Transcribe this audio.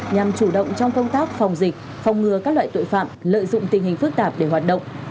nhằm chủ động trong công tác phòng dịch phòng ngừa các loại tội phạm lợi dụng tình hình phức tạp để hoạt động